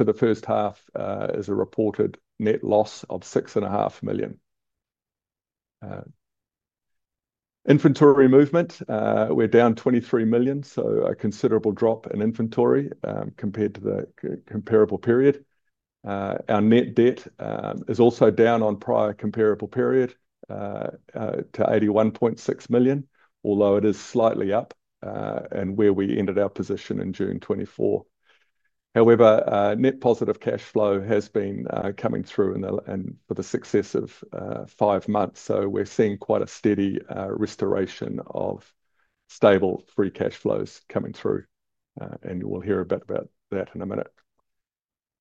For the first half, is a reported net loss of $6.5 million. Inventory movement, we're down $23 million, so a considerable drop in inventory, compared to the comparable period. Our net debt, is also down on prior comparable period, to 81.6 million, although it is slightly up, and where we ended our position in June 2024. However, net positive cash flow has been, coming through in the, and for the success of, five months, so we're seeing quite a steady, restoration of stable free cash flows coming through, and you will hear a bit about that in a minute.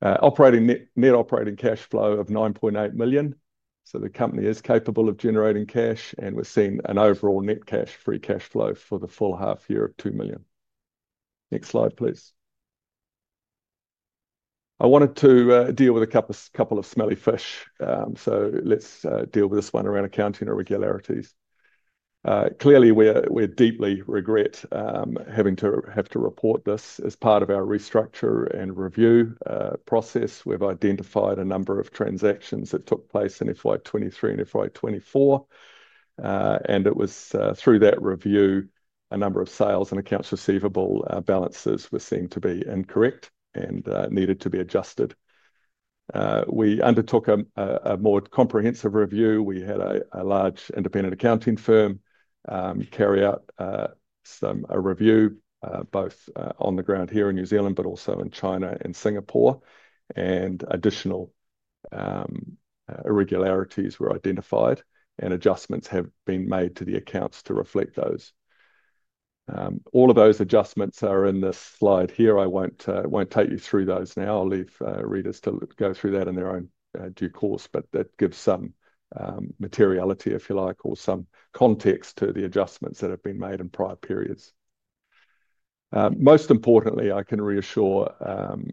Operating net, net operating cash flow of $9.8 million, so the company is capable of generating cash, and we're seeing an overall net cash free cash flow for the full half year of $2 million. Next slide, please. I wanted to deal with a couple, couple of smelly fish, so let's deal with this one around accounting irregularities. Clearly, we deeply regret having to have to report this as part of our restructure and review process. We've identified a number of transactions that took place in FY 2023 and FY 2024, and it was through that review, a number of sales and accounts receivable balances were seen to be incorrect and needed to be adjusted. We undertook a more comprehensive review. We had a large independent accounting firm carry out some review, both on the ground here in New Zealand, but also in China and Singapore, and additional irregularities were identified, and adjustments have been made to the accounts to reflect those. All of those adjustments are in this slide here. I won't take you through those now. I'll leave readers to go through that in their own due course, but that gives some materiality, if you like, or some context to the adjustments that have been made in prior periods. Most importantly, I can reassure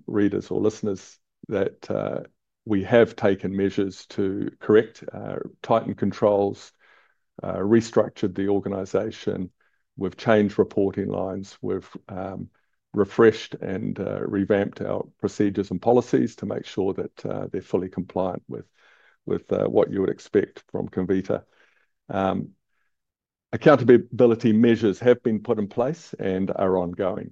readers or listeners that we have taken measures to correct, tighten controls, restructured the organization. We've changed reporting lines. We've refreshed and revamped our procedures and policies to make sure that they're fully compliant with what you would expect from Comvita. Accountability measures have been put in place and are ongoing.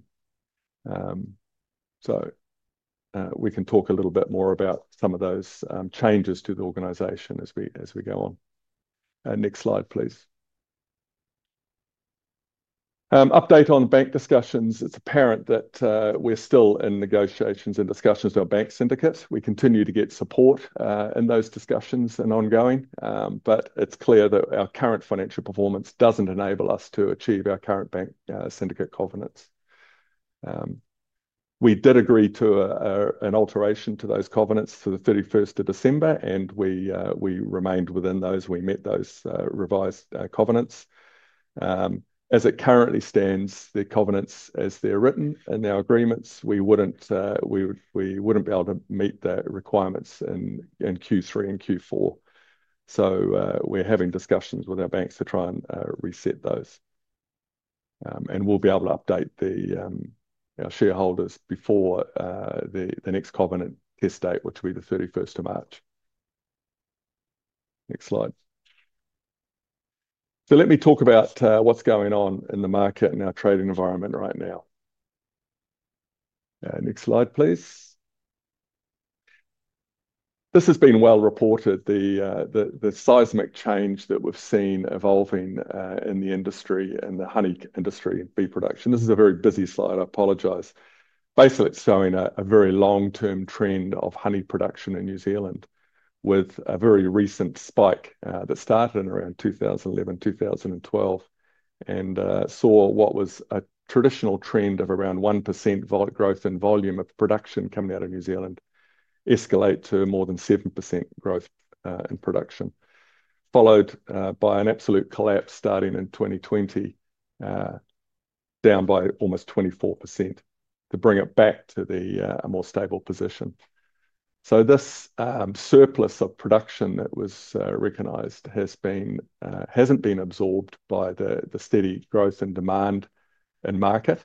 We can talk a little bit more about some of those changes to the organization as we go on. Next slide, please. Update on bank discussions. It's apparent that we're still in negotiations and discussions with our bank syndicates. We continue to get support in those discussions and ongoing, but it's clear that our current financial performance doesn't enable us to achieve our current bank syndicate covenants. We did agree to an alteration to those covenants to the thirty-first of December, and we remained within those. We met those revised covenants. As it currently stands, the covenants, as they're written in our agreements, we wouldn't be able to meet the requirements in Q3 and Q4. We are having discussions with our banks to try and reset those, and we'll be able to update our shareholders before the next covenant test date, which will be the thirty-first of March. Next slide. Let me talk about what's going on in the market and our trading environment right now. Next slide, please. This has been well reported. The seismic change that we've seen evolving in the industry, in the honey industry and bee production. This is a very busy slide. I apologize. Basically, it's showing a very long-term trend of honey production in New Zealand, with a very recent spike that started in around 2011, 2012, and saw what was a traditional trend of around 1% growth in volume of production coming out of New Zealand escalate to more than 7% growth in production, followed by an absolute collapse starting in 2020, down by almost 24% to bring it back to a more stable position. This surplus of production that was recognized has not been absorbed by the steady growth and demand in market,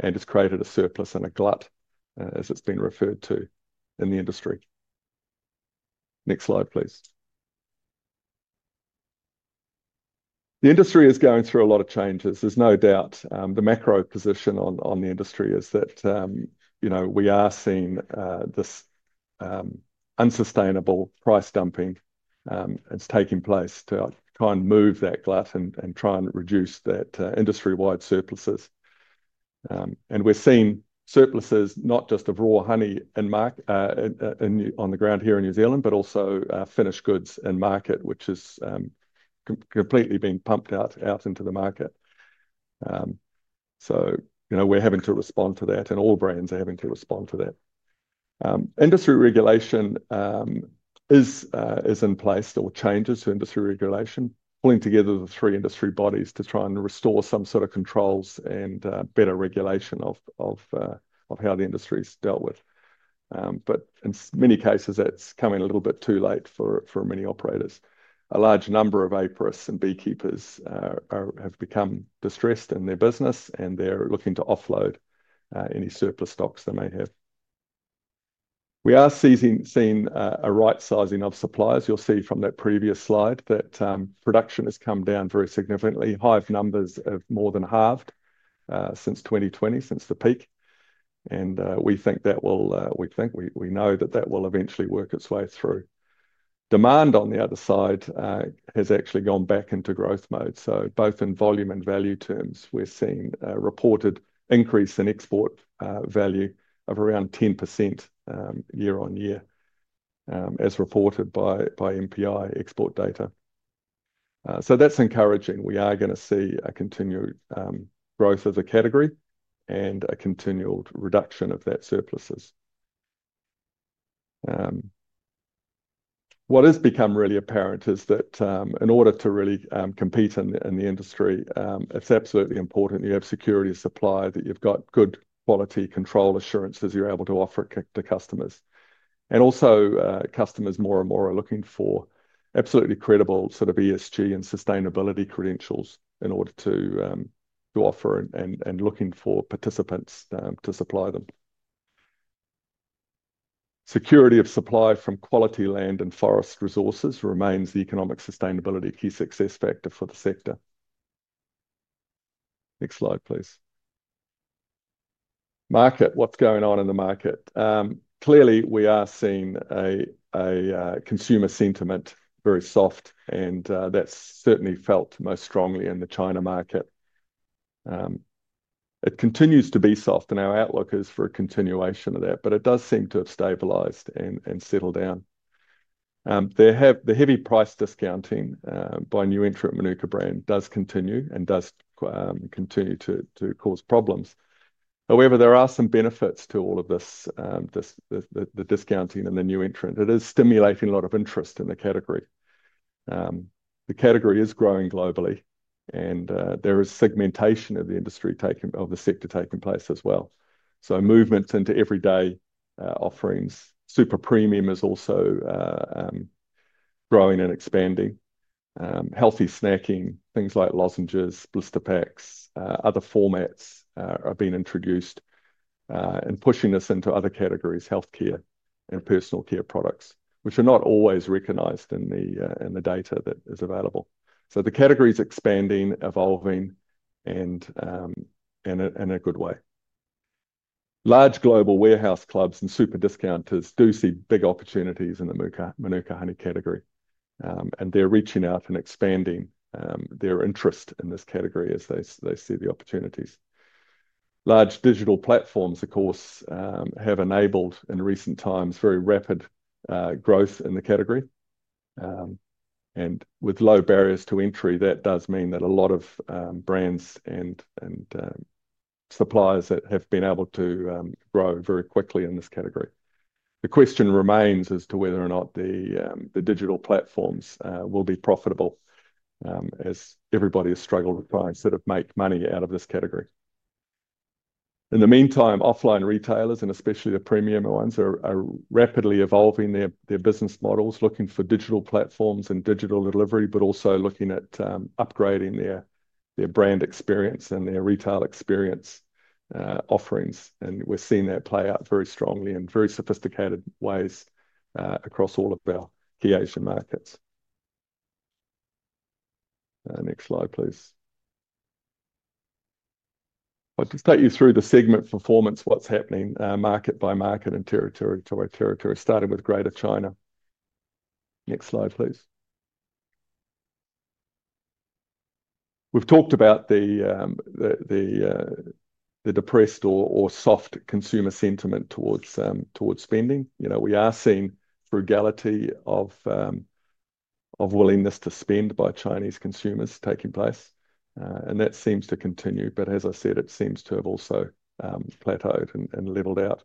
and it's created a surplus and a glut, as it's been referred to in the industry. Next slide, please. The industry is going through a lot of changes. There's no doubt, the macro position on, on the industry is that, you know, we are seeing this unsustainable price dumping is taking place to try and move that glut and try and reduce that industry-wide surpluses. We're seeing surpluses not just of raw honey in, in, on the ground here in New Zealand, but also finished goods in market, which is completely being pumped out into the market. You know, we're having to respond to that, and all brands are having to respond to that. Industry regulation is in place or changes to industry regulation, pulling together the three industry bodies to try and restore some sort of controls and better regulation of how the industry's dealt with. In many cases, that's coming a little bit too late for many operators. A large number of apiaries and beekeepers have become distressed in their business, and they're looking to offload any surplus stocks they may have. We are seeing a right-sizing of suppliers. You'll see from that previous slide that production has come down very significantly. Hive numbers have more than halved since 2020, since the peak, and we think that will, we know that that will eventually work its way through. Demand, on the other side, has actually gone back into growth mode. Both in volume and value terms, we're seeing a reported increase in export value of around 10% year on year, as reported by MPI export data. That's encouraging. We are going to see a continued growth of the category and a continued reduction of that surpluses. What has become really apparent is that, in order to really compete in the industry, it's absolutely important you have security of supply, that you've got good quality control assurances you're able to offer to customers. Also, customers more and more are looking for absolutely credible sort of ESG and sustainability credentials in order to offer and looking for participants to supply them. Security of supply from quality land and forest resources remains the economic sustainability key success factor for the sector. Next slide, please. Market, what's going on in the market? Clearly, we are seeing a consumer sentiment very soft, and that's certainly felt most strongly in the China market. It continues to be soft, and our outlook is for a continuation of that, but it does seem to have stabilized and settled down. There have the heavy price discounting by new entrant Mānuka brand does continue and does continue to cause problems. However, there are some benefits to all of this, the discounting and the new entrant. It is stimulating a lot of interest in the category. The category is growing globally, and there is segmentation of the industry, of the sector taking place as well. Movements into everyday offerings. Super premium is also growing and expanding. Healthy snacking, things like lozenges, blister packs, other formats, are being introduced, and pushing us into other categories: healthcare and personal care products, which are not always recognized in the data that is available. The category's expanding, evolving, and, in a good way. Large global warehouse clubs and super discounters do see big opportunities in the Mānuka honey category, and they're reaching out and expanding their interest in this category as they see the opportunities. Large digital platforms, of course, have enabled in recent times very rapid growth in the category. With low barriers to entry, that does mean that a lot of brands and suppliers have been able to grow very quickly in this category. The question remains as to whether or not the digital platforms will be profitable, as everybody has struggled to try and sort of make money out of this category. In the meantime, offline retailers, and especially the premium ones, are rapidly evolving their business models, looking for digital platforms and digital delivery, but also looking at upgrading their brand experience and their retail experience offerings. We are seeing that play out very strongly in very sophisticated ways, across all of our key Asian markets. Next slide, please. I'll just take you through the segment performance, what's happening, market by market and territory to territory, starting with Greater China. Next slide, please. We've talked about the depressed or soft consumer sentiment towards spending. You know, we are seeing frugality of willingness to spend by Chinese consumers taking place, and that seems to continue. As I said, it seems to have also plateaued and leveled out.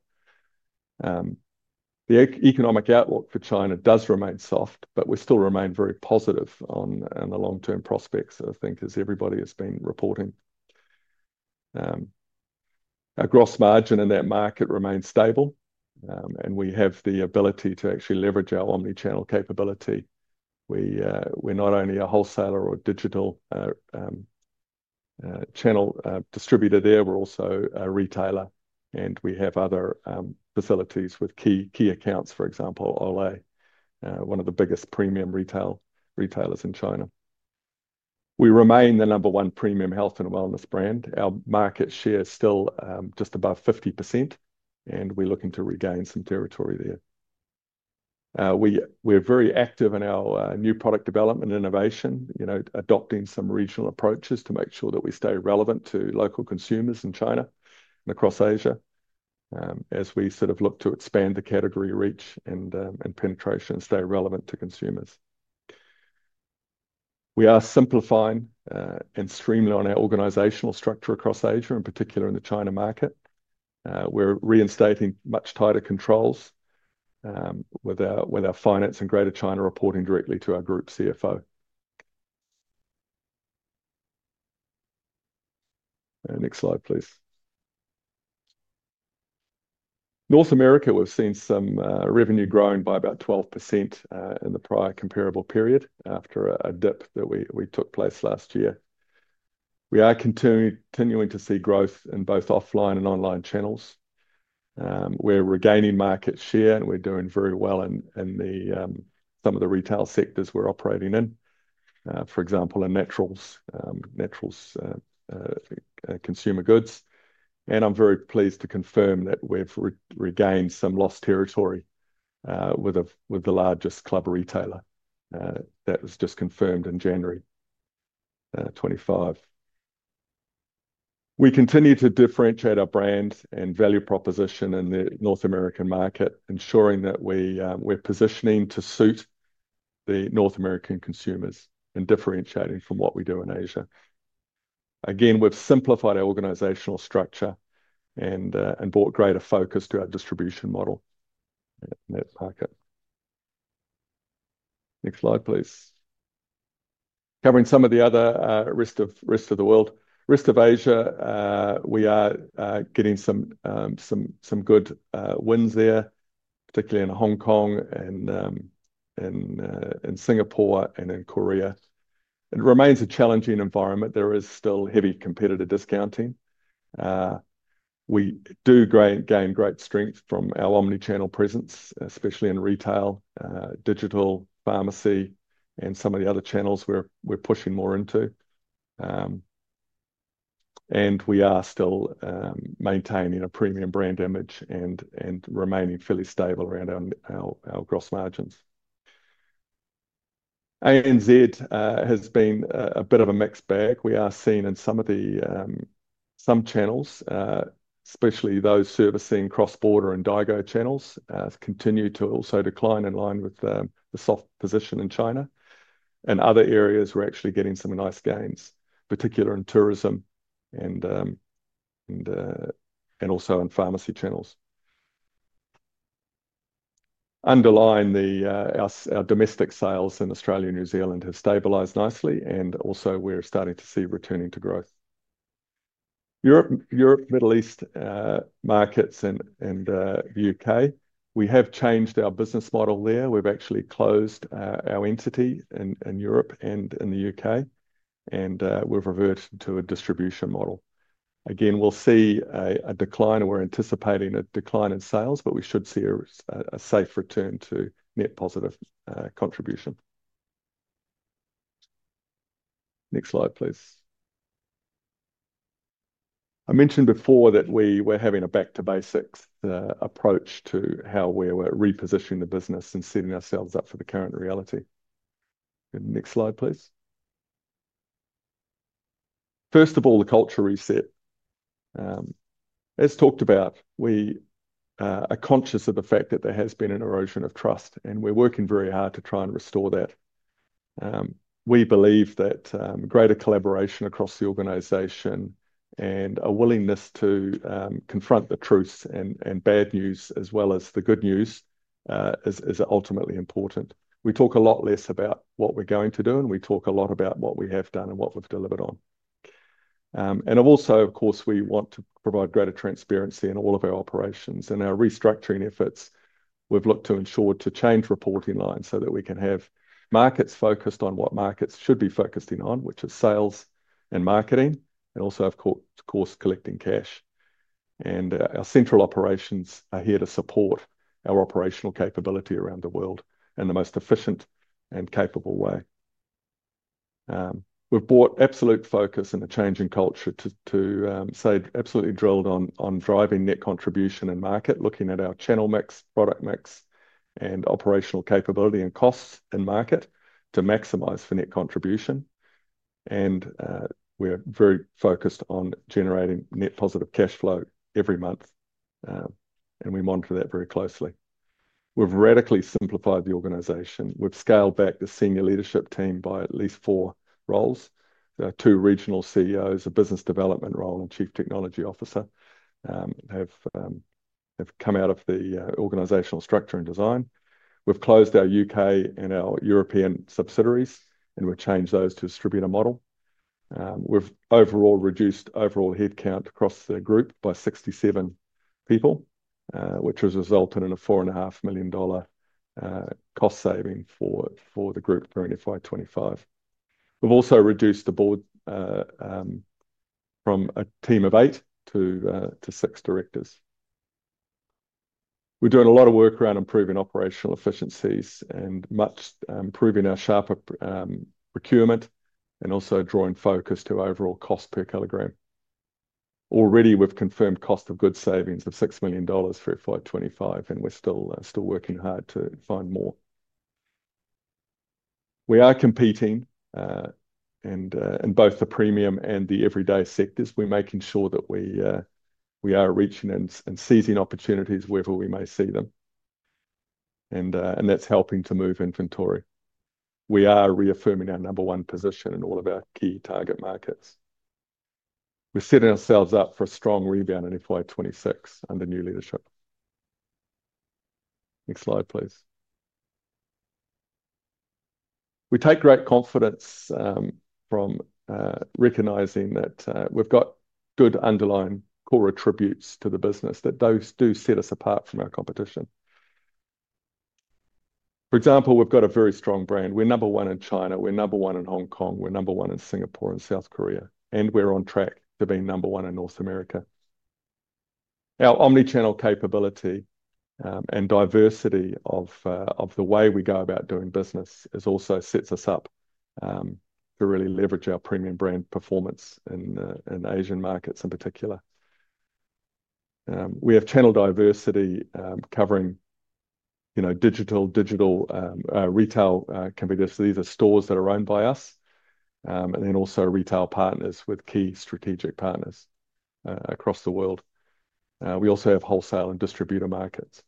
The economic outlook for China does remain soft, but we still remain very positive on the long-term prospects, I think, as everybody has been reporting. Our gross margin in that market remains stable, and we have the ability to actually leverage our omnichannel capability. We are not only a wholesaler or digital channel distributor there. We are also a retailer, and we have other facilities with key accounts, for example, Olay, one of the biggest premium retail retailers in China. We remain the number one premium health and wellness brand. Our market share is still just above 50%, and we are looking to regain some territory there. We, we're very active in our new product development innovation, you know, adopting some regional approaches to make sure that we stay relevant to local consumers in China and across Asia, as we sort of look to expand the category reach and penetration and stay relevant to consumers. We are simplifying and streamlining our organizational structure across Asia, in particular in the China market. We're reinstating much tighter controls, with our finance and Greater China reporting directly to our Group CFO. Next slide, please. North America, we've seen some revenue growing by about 12% in the prior comparable period after a dip that we took place last year. We are continuing to see growth in both offline and online channels. We're regaining market share, and we're doing very well in some of the retail sectors we're operating in, for example, in naturals, naturals, consumer goods. I'm very pleased to confirm that we've regained some lost territory with the largest club retailer. That was just confirmed in January 2025. We continue to differentiate our brand and value proposition in the North American market, ensuring that we're positioning to suit the North American consumers and differentiating from what we do in Asia. We've simplified our organizational structure and brought greater focus to our distribution model in that market. Next slide, please. Covering some of the other rest of the world, rest of Asia, we are getting some good wins there, particularly in Hong Kong, in Singapore, and in Korea. It remains a challenging environment. There is still heavy competitor discounting. We do gain great strength from our omnichannel presence, especially in retail, digital, pharmacy, and some of the other channels we're pushing more into. We are still maintaining a premium brand image and remaining fairly stable around our gross margins. ANZ has been a bit of a mixed bag. We are seeing in some of the channels, especially those servicing cross-border Daigou channels, continue to also decline in line with the soft position in China. Other areas, we're actually getting some nice gains, particularly in tourism and also in pharmacy channels. Underlying our domestic sales in Australia and New Zealand have stabilized nicely, and also we're starting to see returning to growth. Europe, Middle East markets, and the U.K., we have changed our business model there. We've actually closed our entity in Europe and in the U.K., and we've reverted to a distribution model. Again, we'll see a decline or we're anticipating a decline in sales, but we should see a safe return to net positive contribution. Next slide, please. I mentioned before that we were having a back-to-basics approach to how we were repositioning the business and setting ourselves up for the current reality. Next slide, please. First of all, the culture reset. As talked about, we are conscious of the fact that there has been an erosion of trust, and we're working very hard to try and restore that. We believe that greater collaboration across the organization and a willingness to confront the truths and bad news as well as the good news is ultimately important. We talk a lot less about what we're going to do, and we talk a lot about what we have done and what we've delivered on. I've also, of course, we want to provide greater transparency in all of our operations and our restructuring efforts. We've looked to ensure to change reporting lines so that we can have markets focused on what markets should be focusing on, which is sales and marketing, and also, of course, collecting cash. Our central operations are here to support our operational capability around the world in the most efficient and capable way. We've brought absolute focus and a change in culture to, to, say absolutely drilled on, on driving net contribution and market, looking at our channel mix, product mix, and operational capability and costs in market to maximize for net contribution. We are very focused on generating net positive cash flow every month, and we monitor that very closely. We have radically simplified the organization. We have scaled back the senior leadership team by at least four roles. There are two regional CEOs, a business development role, and a Chief Technology Officer, have come out of the organizational structure and design. We have closed our U.K. and our European subsidiaries, and we have changed those to a distributor model. We have overall reduced overall headcount across the group by 67 people, which has resulted in a 4.5 million dollar cost saving for the group during FY 2025. We have also reduced the board from a team of eight to six directors. We are doing a lot of work around improving operational efficiencies and much improving our sharper procurement and also drawing focus to overall cost per kilogram. Already, we've confirmed cost of goods savings of $6 million for FY 2025, and we're still working hard to find more. We are competing in both the premium and the everyday sectors. We're making sure that we are reaching and seizing opportunities wherever we may see them. That's helping to move inventory. We are reaffirming our number one position in all of our key target markets. We're setting ourselves up for a strong rebound in FY 2026 under new leadership. Next slide, please. We take great confidence from recognizing that we've got good underlying core attributes to the business that do set us apart from our competition. For example, we've got a very strong brand. We're number one in China. We're number one in Hong Kong. We're number one in Singapore and South Korea, and we're on track to be number one in North America. Our omnichannel capability and diversity of the way we go about doing business also sets us up to really leverage our premium brand performance in Asian markets in particular. We have channel diversity, covering, you know, digital, digital, retail, competitors. These are stores that are owned by us, and then also retail partners with key strategic partners across the world. We also have wholesale and distributor markets.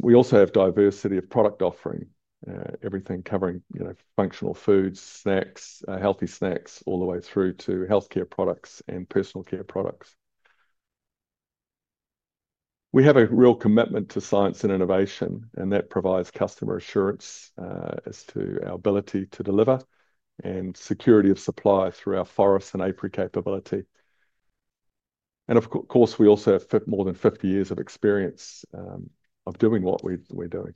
We also have diversity of product offering, everything covering, you know, functional foods, snacks, healthy snacks all the way through to healthcare products and personal care products. We have a real commitment to science and innovation, and that provides customer assurance as to our ability to deliver and security of supply through our forest and apiary capability. Of course, we also have more than 50 years of experience of doing what we're doing.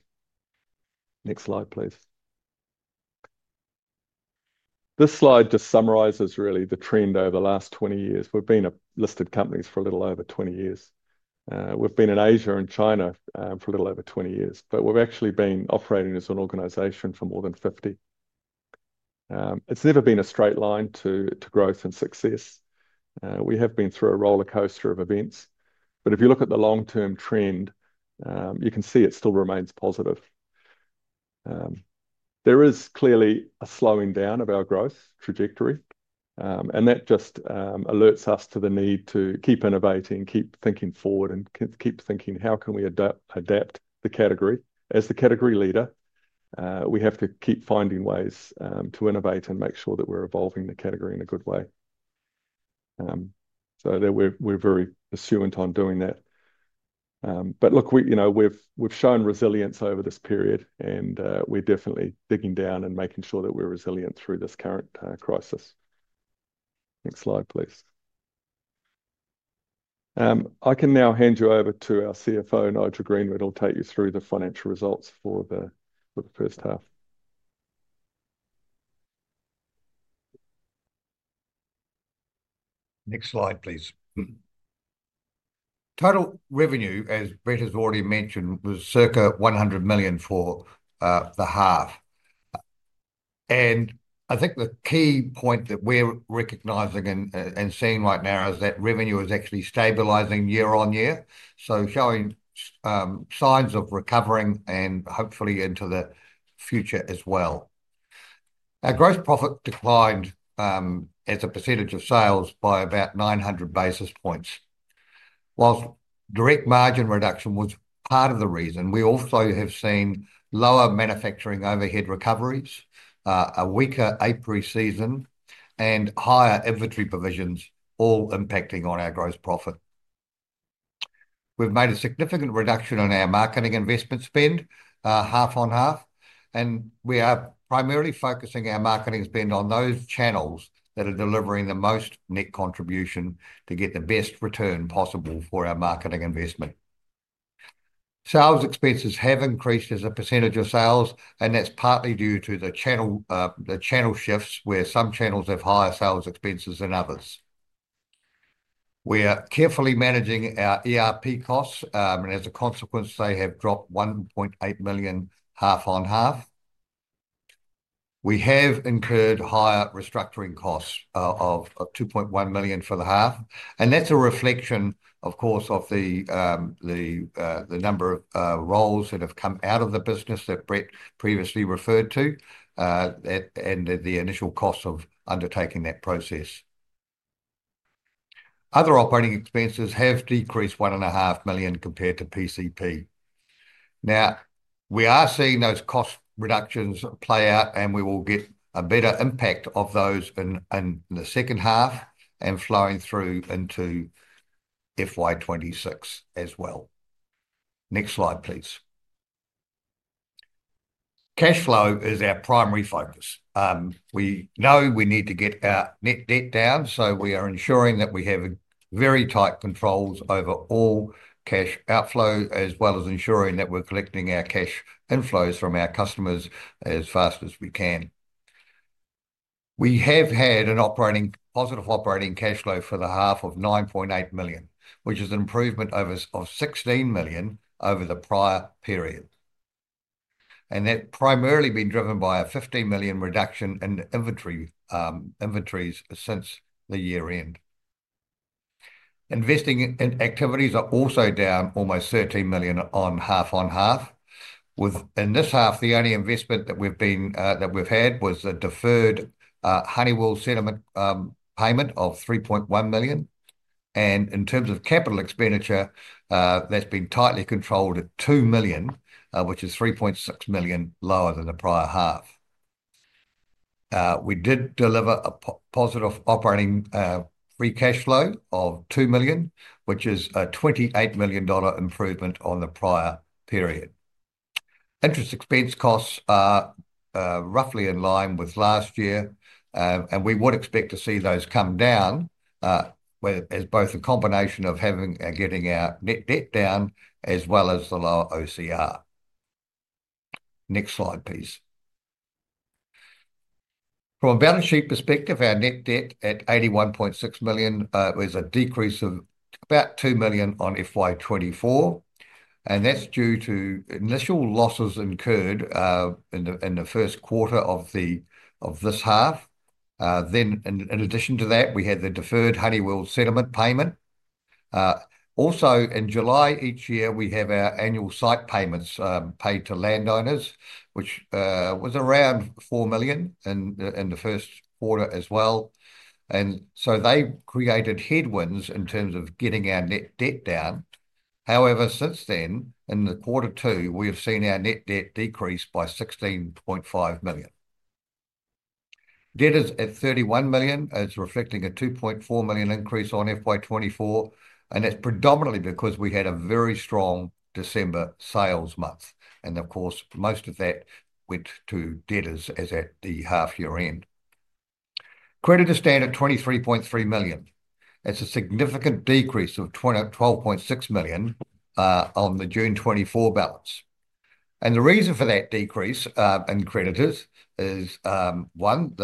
Next slide, please. This slide just summarizes really the trend over the last 20 years. We've been a listed company for a little over 20 years. We've been in Asia and China for a little over 20 years, but we've actually been operating as an organization for more than 50. It's never been a straight line to growth and success. We have been through a roller coaster of events, but if you look at the long-term trend, you can see it still remains positive. There is clearly a slowing down of our growth trajectory, and that just alerts us to the need to keep innovating, keep thinking forward, and keep thinking how can we adapt the category. As the category leader, we have to keep finding ways to innovate and make sure that we're evolving the category in a good way, so that we're, we're very assuming on doing that. Look, we, you know, we've, we've shown resilience over this period, and we're definitely digging down and making sure that we're resilient through this current crisis. Next slide, please. I can now hand you over to our CFO, Nigel Greenwood, who will take you through the financial results for the, for the first half. Next slide, please. Total revenue, as Brett has already mentioned, was circa 100 million for the half. I think the key point that we're recognizing and seeing right now is that revenue is actually stabilizing year on year, so showing signs of recovering and hopefully into the future as well. Our gross profit declined, as a percentage of sales by about 900 basis points. Whilst direct margin reduction was part of the reason, we also have seen lower manufacturing overhead recoveries, a weaker apiary season, and higher inventory provisions, all impacting on our gross profit. We've made a significant reduction in our marketing investment spend, half on half, and we are primarily focusing our marketing spend on those channels that are delivering the most net contribution to get the best return possible for our marketing investment. Sales expenses have increased as a percentage of sales, and that's partly due to the channel, the channel shifts where some channels have higher sales expenses than others. We are carefully managing our ERP costs, and as a consequence, they have dropped $1.8 million half on half. We have incurred higher restructuring costs, of 2.1 million for the half, and that's a reflection, of course, of the number of roles that have come out of the business that Brett previously referred to, and the initial cost of undertaking that process. Other operating expenses have decreased 1.5 million compared to PCP. Now, we are seeing those cost reductions play out, and we will get a better impact of those in the second half and flowing through into FY 2026 as well. Next slide, please. Cash flow is our primary focus. We know we need to get our net debt down, so we are ensuring that we have very tight controls over all cash outflow as well as ensuring that we're collecting our cash inflows from our customers as fast as we can. We have had a positive operating cash flow for the half of 9.8 million, which is an improvement of 16 million over the prior period. That is primarily been driven by a 15 million reduction in inventory, inventories since the year end. Investing activities are also down almost 13 million half on half. Within this half, the only investment that we have had was a deferred Honeyworld sediment payment of 3.1 million. In terms of capital expenditure, that has been tightly controlled at 2 million, which is 3.6 million lower than the prior half. We did deliver a positive operating free cash flow of 2 million, which is a 28 million dollar improvement on the prior period. Interest expense costs are, roughly in line with last year, and we would expect to see those come down, as both a combination of having and getting our net debt down as well as the lower OCR. Next slide, please. From a balance sheet perspective, our net debt at 81.6 million, was a decrease of about 2 million on FY 2024, and that's due to initial losses incurred, in the, in the first quarter of the, of this half. In addition to that, we had the deferred Honeywell sediment payment. Also in July each year, we have our annual site payments, paid to landowners, which, was around 4 million in the first quarter as well. They created headwinds in terms of getting our net debt down. However, since then, in quarter two, we have seen our net debt decrease by 16.5 million. Debtors at 31 million is reflecting a 2.4 million increase on FY 2024, and that's predominantly because we had a very strong December sales month. Of course, most of that went to debtors as at the half year end. Creditors stand at 23.3 million. That's a significant decrease of 12.6 million on the June 2024 balance. The reason for that decrease in creditors is, one,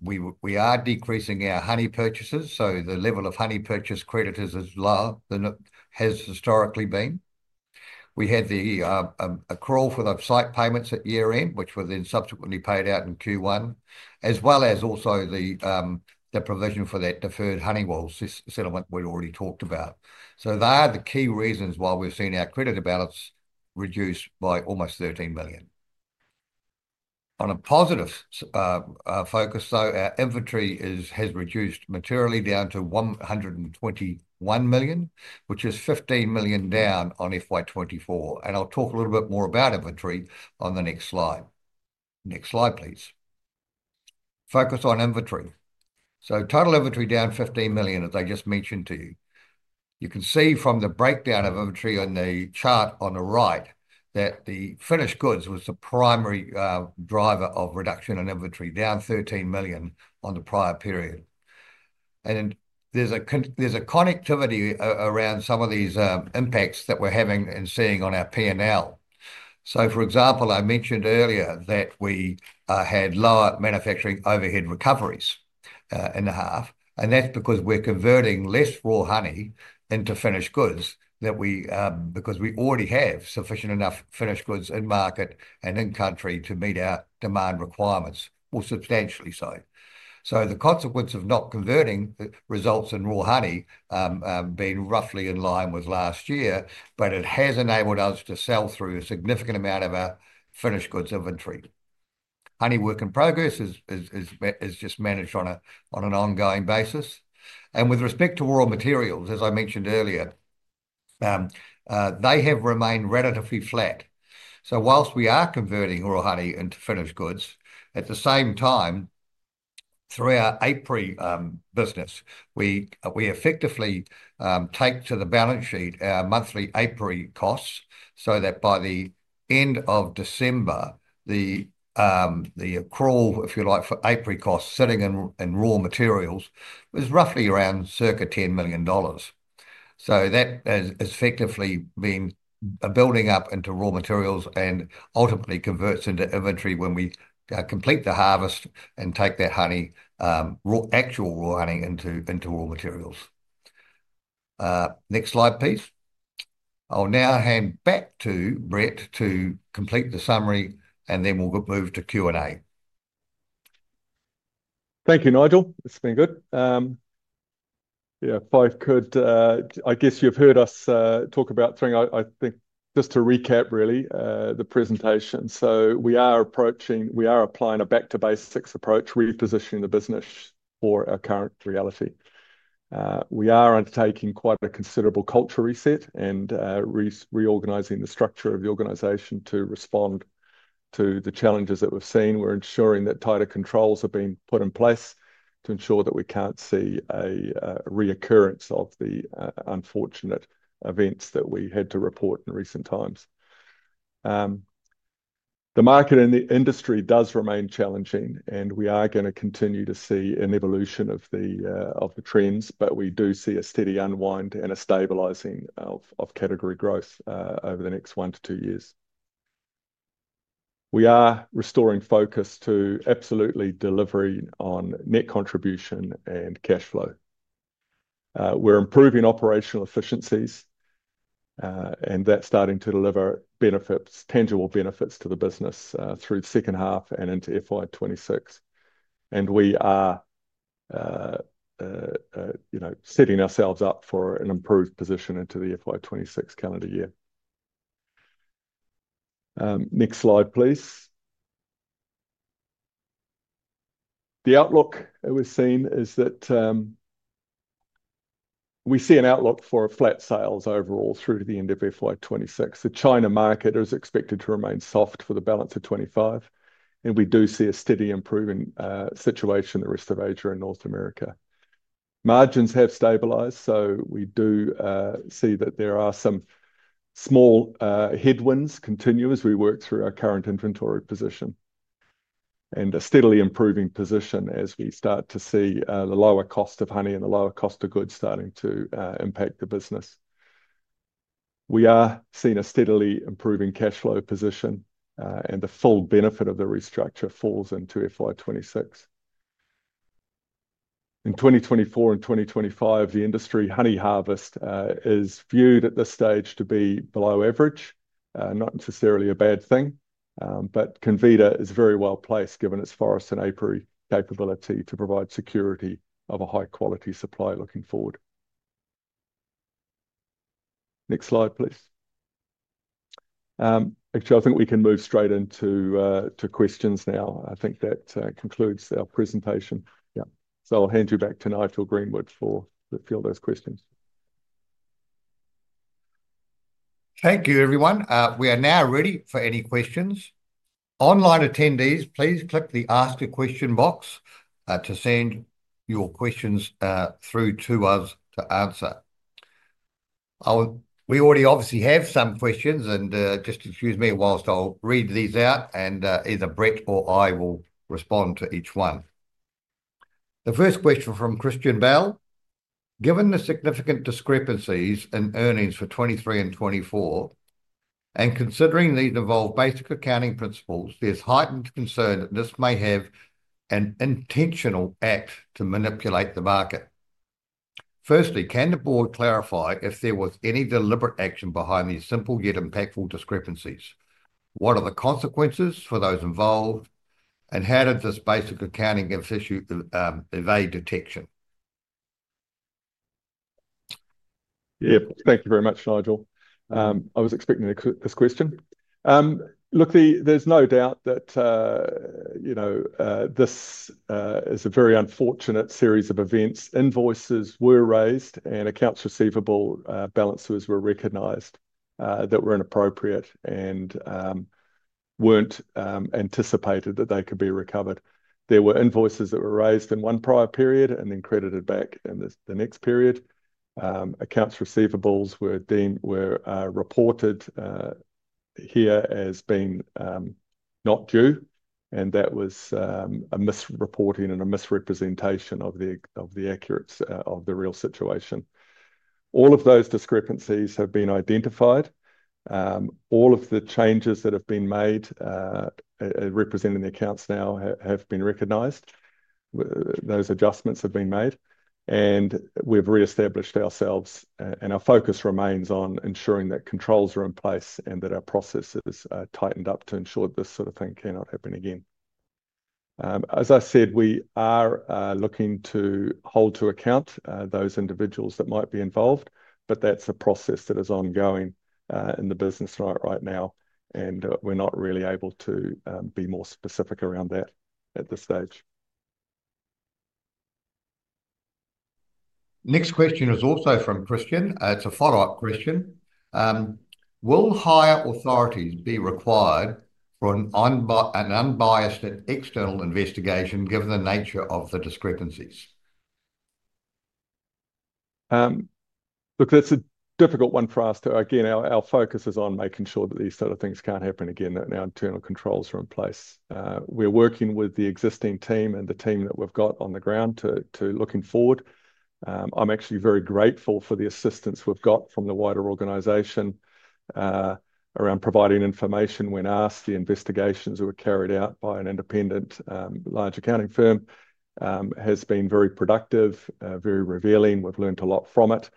we are decreasing our honey purchases, so the level of honey purchase creditors is lower than it has historically been. We had the, a crawl for the site payments at year end, which were then subsequently paid out in Q1, as well as also the provision for that deferred Honeywell sediment we already talked about. They are the key reasons why we've seen our credit balance reduced by almost 13 million. On a positive focus, though, our inventory has reduced materially down to 121 million, which is 15 million down on FY 2024. I'll talk a little bit more about inventory on the next slide. Next slide, please. Focus on inventory. Total inventory down 15 million, as I just mentioned to you. You can see from the breakdown of inventory on the chart on the right that the finished goods was the primary driver of reduction in inventory, down 13 million on the prior period. There is a connectivity around some of these impacts that we are having and seeing on our P&L. For example, I mentioned earlier that we had lower manufacturing overhead recoveries in the half, and that is because we are converting less raw honey into finished goods that we, because we already have sufficient enough finished goods in market and in country to meet our demand requirements more substantially. The consequence of not converting results in raw honey being roughly in line with last year, but it has enabled us to sell through a significant amount of our finished goods inventory. Honey work in progress is just managed on an ongoing basis. With respect to raw materials, as I mentioned earlier, they have remained relatively flat. Whilst we are converting raw honey into finished goods, at the same time, through our apiary business, we effectively take to the balance sheet our monthly apiary costs so that by the end of December, the crawl, if you like, for apiary costs sitting in raw materials was roughly around circa $10 million. That has effectively been building up into raw materials and ultimately converts into inventory when we complete the harvest and take that honey, actual raw honey, into raw materials. Next slide, please. I'll now hand back to Brett to complete the summary, and then we'll move to Q and A. Thank you, Nigel. It's been good. Yeah, if I could, I guess you've heard us talk about three, I think, just to recap really, the presentation. We are applying a back to basics approach, repositioning the business for our current reality. We are undertaking quite a considerable culture reset and reorganizing the structure of the organization to respond to the challenges that we've seen. We're ensuring that tighter controls have been put in place to ensure that we can't see a reoccurrence of the unfortunate events that we had to report in recent times. The market and the industry does remain challenging, and we are going to continue to see an evolution of the trends, but we do see a steady unwind and a stabilizing of category growth over the next one to two years. We are restoring focus to absolutely delivery on net contribution and cash flow. We're improving operational efficiencies, and that's starting to deliver benefits, tangible benefits to the business, through the second half and into FY 2026. We are, you know, setting ourselves up for an improved position into the FY 2026 calendar year. Next slide, please. The outlook that we're seeing is that we see an outlook for flat sales overall through to the end of FY 2026. The China market is expected to remain soft for the balance of 2025, and we do see a steady improving situation in the rest of Asia and North America. Margins have stabilized, so we do see that there are some small headwinds continue as we work through our current inventory position and a steadily improving position as we start to see the lower cost of honey and the lower cost of goods starting to impact the business. We are seeing a steadily improving cash flow position, and the full benefit of the restructure falls into FY 2026. In 2024 and 2025, the industry honey harvest is viewed at this stage to be below average, not necessarily a bad thing, but Comvita is very well placed given its forest and apiary capability to provide security of a high quality supply looking forward. Next slide, please. Actually, I think we can move straight into questions now. I think that concludes our presentation. Yeah, so I'll hand you back to Nigel Greenwood for a few of those questions. Thank you, everyone. We are now ready for any questions. Online attendees, please click the ask a question box to send your questions through to us to answer. I'll, we already obviously have some questions, and, just excuse me whilst I read these out, and, either Brett or I will respond to each one. The first question from Christian Bell. Given the significant discrepancies in earnings for 2023 and 2024, and considering these involve basic accounting principles, there's heightened concern that this may have an intentional act to manipulate the market. Firstly, can the board clarify if there was any deliberate action behind these simple yet impactful discrepancies? What are the consequences for those involved, and how did this basic accounting issue evade detection? Yeah, thank you very much, Nigel. I was expecting this question. Look, there's no doubt that, you know, this is a very unfortunate series of events. Invoices were raised, and accounts receivable balances were recognized, that were inappropriate and, weren't, anticipated that they could be recovered. There were invoices that were raised in one prior period and then credited back in the next period. Accounts receivables were then reported here as being not due, and that was a misreporting and a misrepresentation of the accurate, of the real situation. All of those discrepancies have been identified. All of the changes that have been made, representing the accounts now have been recognized. Those adjustments have been made, and we've reestablished ourselves, and our focus remains on ensuring that controls are in place and that our processes are tightened up to ensure that this sort of thing cannot happen again. As I said, we are looking to hold to account those individuals that might be involved, but that's a process that is ongoing in the business right now, and we're not really able to be more specific around that at this stage. Next question is also from Christian. It's a follow-up question. Will higher authorities be required for an unbiased external investigation given the nature of the discrepancies? Look, that's a difficult one for us to, again, our focus is on making sure that these sort of things can't happen again, that our internal controls are in place. We're working with the existing team and the team that we've got on the ground to, to looking forward. I'm actually very grateful for the assistance we've got from the wider organization, around providing information when asked. The investigations that were carried out by an independent, large accounting firm, have been very productive, very revealing. We've learned a lot from it,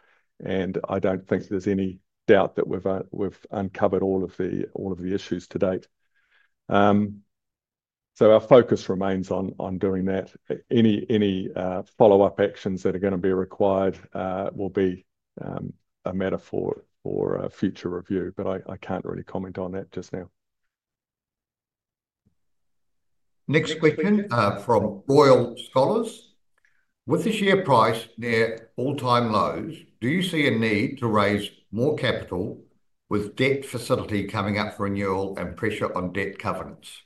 and I don't think there's any doubt that we've uncovered all of the, all of the issues to date. Our focus remains on doing that. Any follow-up actions that are going to be required will be a matter for future review, but I can't really comment on that just now. Next question from Royal Scholars. With this year price near all-time lows, do you see a need to raise more capital with debt facility coming up for renewal and pressure on debt covenants?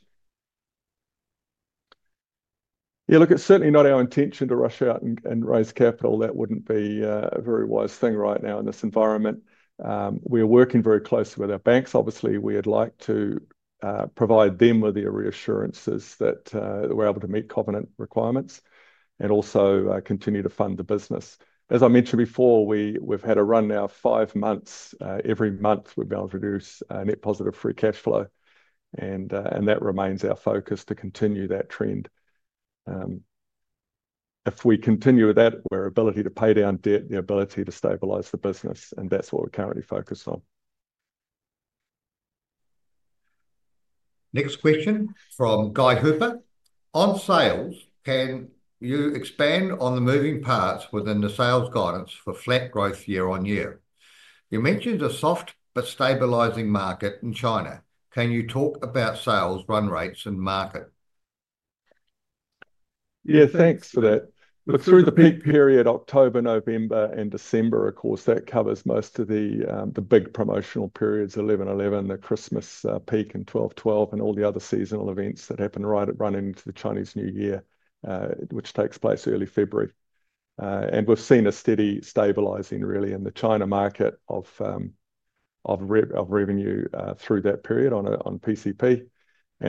Yeah, look, it's certainly not our intention to rush out and raise capital. That wouldn't be a very wise thing right now in this environment. We're working very closely with our banks. Obviously, we'd like to provide them with the reassurances that we're able to meet covenant requirements and also continue to fund the business. As I mentioned before, we've had a run now five months. Every month we've been able to produce a net positive free cash flow, and that remains our focus to continue that trend. If we continue with that, we're able to pay down debt, the ability to stabilize the business, and that's what we're currently focused on. Next question from Guy Hooper. On sales, can you expand on the moving parts within the sales guidance for flat growth year on year? You mentioned a soft but stabilizing market in China. Can you talk about sales run rates and market? Yeah, thanks for that. Look, through the peak period, October, November, and December, of course, that covers most of the big promotional periods, 11, 11, the Christmas peak and 12, 12, and all the other seasonal events that happen right at running into the Chinese New Year, which takes place early February. We've seen a steady stabilizing really in the China market of revenue through that period on a PCP.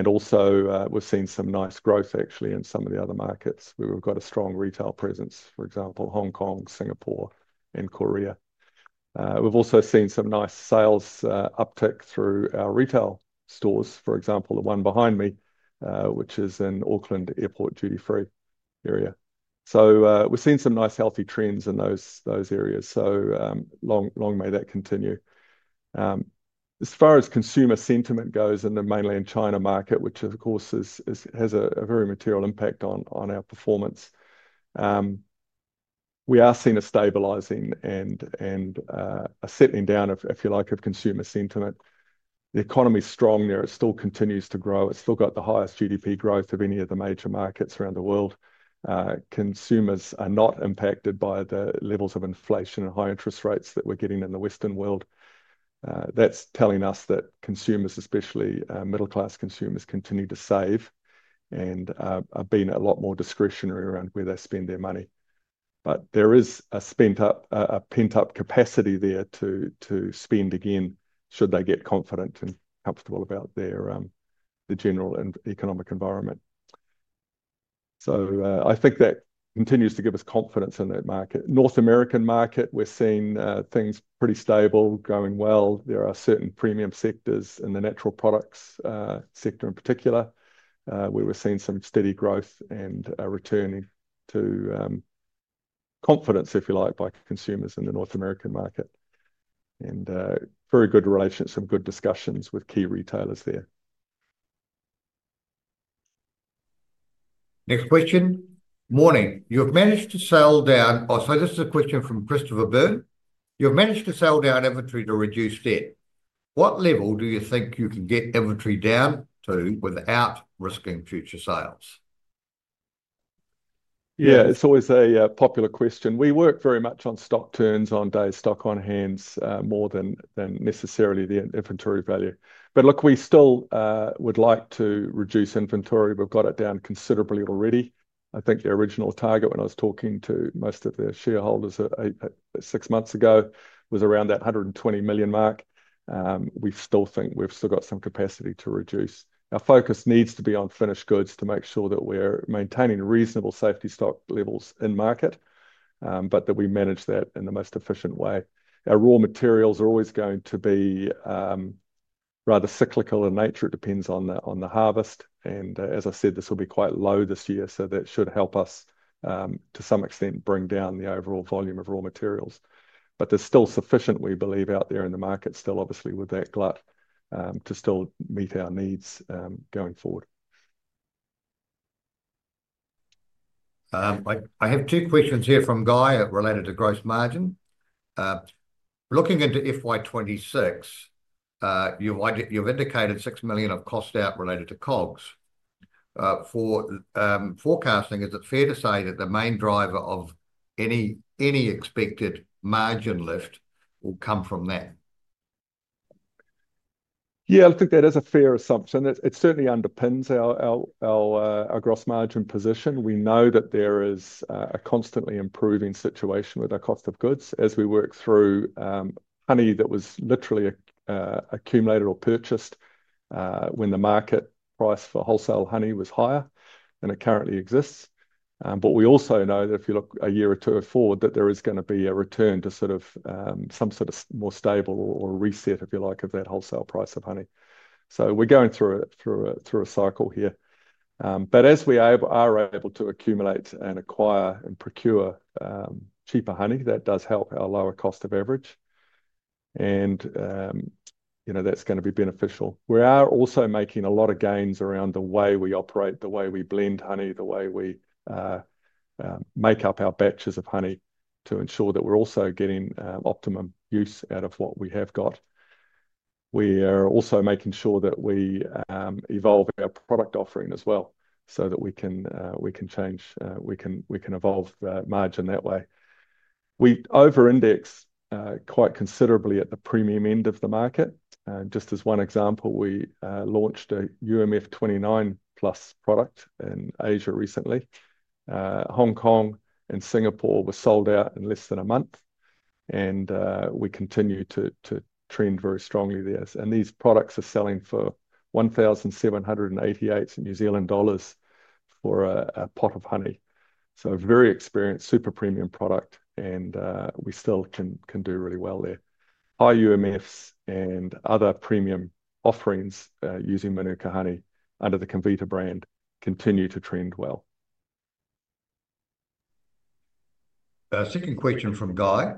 Also, we've seen some nice growth actually in some of the other markets where we've got a strong retail presence, for example, Hong Kong, Singapore, and Korea. We've also seen some nice sales uptick through our retail stores, for example, the one behind me, which is in Auckland Airport duty free area. We've seen some nice healthy trends in those areas. Long may that continue. As far as consumer sentiment goes in the mainland China market, which of course has a very material impact on our performance, we are seeing a stabilizing and a settling down of, if you like, consumer sentiment. The economy's strong there. It still continues to grow. It's still got the highest GDP growth of any of the major markets around the world. Consumers are not impacted by the levels of inflation and high interest rates that we're getting in the Western world. That's telling us that consumers, especially middle class consumers, continue to save and are being a lot more discretionary around where they spend their money. There is a pent up capacity there to spend again should they get confident and comfortable about their general and economic environment. I think that continues to give us confidence in that market. North American market, we're seeing things pretty stable, going well. There are certain premium sectors in the natural products sector in particular where we're seeing some steady growth and returning to confidence, if you like, by consumers in the North American market. Very good relationships and good discussions with key retailers there. Next question. Morning. You've managed to sell down. Oh, so this is a question from Christopher Byrne. You've managed to sell down inventory to reduce debt. What level do you think you can get inventory down to without risking future sales? Yeah, it's always a popular question. We work very much on stock turns on days, stock on hand, more than necessarily the inventory value. But look, we still would like to reduce inventory. We've got it down considerably already. I think the original target when I was talking to most of the shareholders six months ago was around that 120 million mark. We still think we've still got some capacity to reduce. Our focus needs to be on finished goods to make sure that we're maintaining reasonable safety stock levels in market, but that we manage that in the most efficient way. Our raw materials are always going to be rather cyclical in nature. It depends on the harvest. As I said, this will be quite low this year, so that should help us to some extent bring down the overall volume of raw materials. There is still sufficient, we believe, out there in the market still, obviously with that glut, to still meet our needs going forward. I have two questions here from Guy related to gross margin. Looking into FY 2026, you've indicated $6 million of cost out related to COGS. For forecasting, is it fair to say that the main driver of any expected margin lift will come from that? Yeah, I think that is a fair assumption. It certainly underpins our gross margin position. We know that there is a constantly improving situation with our cost of goods as we work through honey that was literally accumulated or purchased when the market price for wholesale honey was higher than it currently exists. We also know that if you look a year or two forward, there is going to be a return to some sort of more stable or reset, if you like, of that wholesale price of honey. We are going through a cycle here. As we are able to accumulate and acquire and procure cheaper honey, that does help our lower cost of average. You know, that's going to be beneficial. We are also making a lot of gains around the way we operate, the way we blend honey, the way we make up our batches of honey to ensure that we're also getting optimum use out of what we have got. We are also making sure that we evolve our product offering as well so that we can, we can change, we can evolve, margin that way. We over-index quite considerably at the premium end of the market. Just as one example, we launched a UMF 29+ product in Asia recently. Hong Kong and Singapore were sold out in less than a month, and we continue to trend very strongly there. These products are selling for 1,788 New Zealand dollars for a pot of honey. Very experienced, super premium product, and we still can do really well there. High UMFs and other premium offerings, using Mānuka honey under the Comvita brand, continue to trend well. Second question from Guy.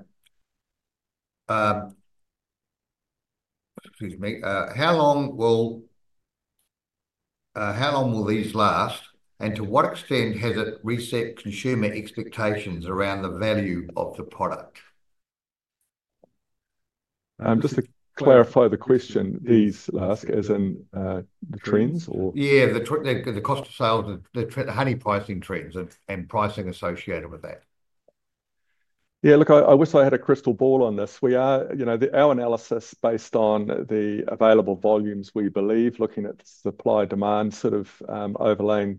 Excuse me. How long will, how long will these last? And to what extent has it reset consumer expectations around the value of the product? Just to clarify the question, these last, as in, the trends or? Yeah, the trends, the cost of sales, the honey pricing trends, and pricing associated with that. Yeah, look, I wish I had a crystal ball on this. We are, you know, our analysis based on the available volumes, we believe, looking at supply-demand, sort of overlaying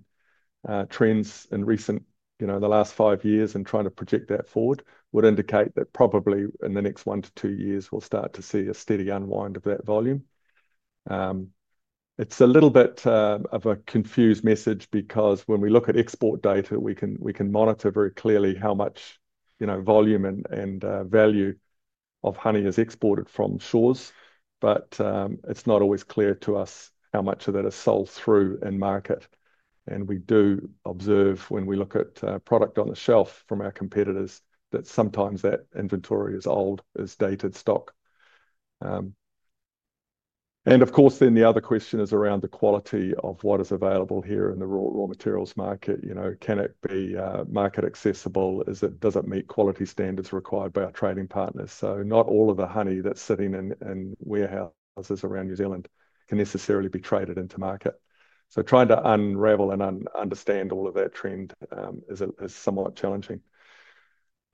trends in recent, you know, the last five years and trying to project that forward would indicate that probably in the next one to two years, we'll start to see a steady unwind of that volume. It's a little bit of a confused message because when we look at export data, we can monitor very clearly how much, you know, volume and value of honey is exported from shores. However, it's not always clear to us how much of that is sold through in market. We do observe when we look at product on the shelf from our competitors that sometimes that inventory is old, is dated stock. Of course, the other question is around the quality of what is available here in the raw, raw materials market. You know, can it be market accessible? Does it meet quality standards required by our trading partners? Not all of the honey that's sitting in warehouses around New Zealand can necessarily be traded into market. Trying to unravel and understand all of that trend is somewhat challenging.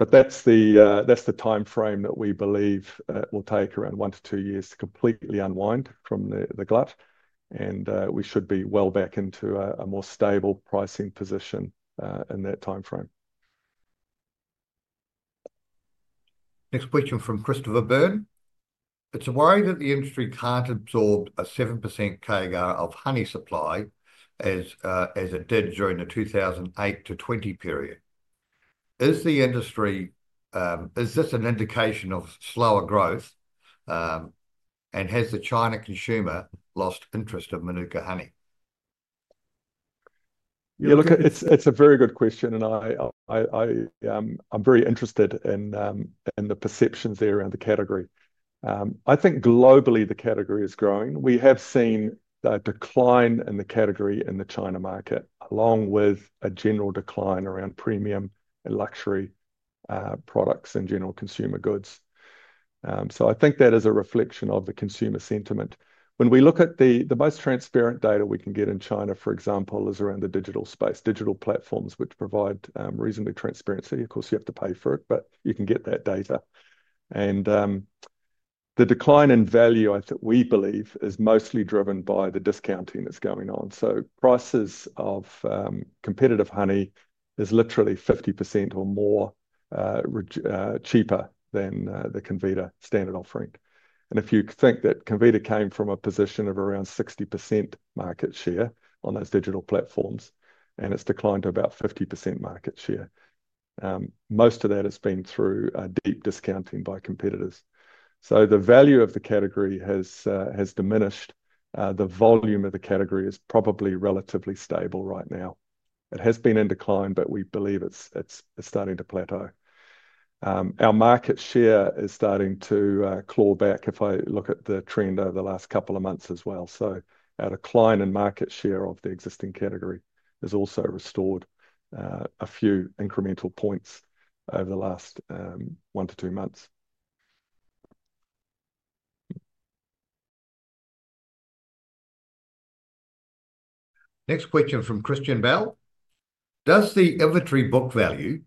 That is the timeframe that we believe will take around one to two years to completely unwind from the glut. We should be well back into a more stable pricing position in that timeframe. Next question from Christopher Byrne. It is a worry that the industry cannot absorb a 7% CAGR of honey supply as it did during the 2008 to 2020 period. Is the industry, is this an indication of slower growth? Has the China consumer lost interest in Mānuka honey? Yeah, look, it is a very good question and I am very interested in the perceptions there around the category. I think globally the category is growing. We have seen a decline in the category in the China market along with a general decline around premium and luxury products and general consumer goods. I think that is a reflection of the consumer sentiment. When we look at the most transparent data we can get in China, for example, it is around the digital space, digital platforms which provide reasonably transparency. Of course, you have to pay for it, but you can get that data. The decline in value, I think we believe is mostly driven by the discounting that's going on. Prices of competitive honey is literally 50% or more cheaper than the Comvita standard offering. If you think that Comvita came from a position of around 60% market share on those digital platforms and it has declined to about 50% market share, most of that has been through deep discounting by competitors. The value of the category has diminished. The volume of the category is probably relatively stable right now. It has been in decline, but we believe it's starting to plateau. Our market share is starting to claw back if I look at the trend over the last couple of months as well. Our decline in market share of the existing category has also restored a few incremental points over the last one to two months. Next question from Christian Bell. Does the inventory book value